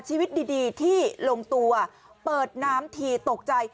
ชีวิตดีที่ลงตัวเปิดน้ำทีตกใจ